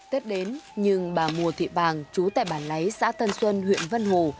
tết đến nhưng bà mùa thị bàng chú tại bản lấy xã tân xuân huyện vân hồ